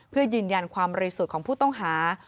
เพื่อยืนยันความบริสุทธิ์ของผู้ต้องหา